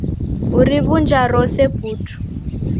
Uriw'unja rose putu